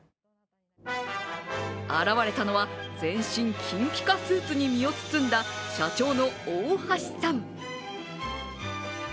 現れたのは全身金ピカスーツに身を包んだ社長の大橋さん。